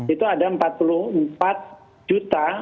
itu ada empat puluh empat juta